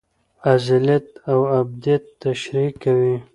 ازليت او ابديت تشريح کوي